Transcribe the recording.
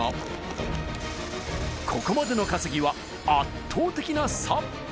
ここまでの稼ぎは圧倒的な差